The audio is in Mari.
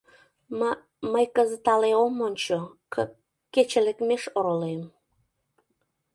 М... мый кызыт але ом ончо, к... кече лекмеш оролем...